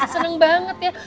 seneng banget ya